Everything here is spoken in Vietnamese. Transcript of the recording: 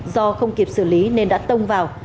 do không kịp xử lý nên đã tông vào